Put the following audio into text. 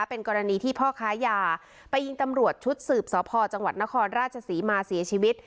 เป็นกรณีที่พ่อค้ายาไปยิงตำรวจชุดสืบสพจังหวัดนครราชศรีมาเสียชีวิต